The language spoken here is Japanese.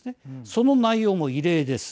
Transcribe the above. その内容も異例です。